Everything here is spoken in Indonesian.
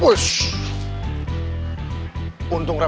putusnya bachtu si dia